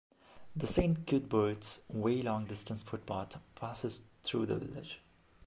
The Saint Cuthbert's Way long distance footpath passes through the village.